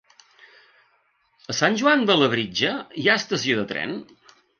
A Sant Joan de Labritja hi ha estació de tren?